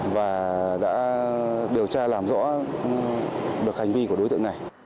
và đã điều tra làm rõ được hành vi của đối tượng này